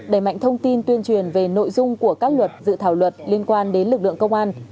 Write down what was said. đẩy mạnh thông tin tuyên truyền về nội dung của các luật dự thảo luật liên quan đến lực lượng công an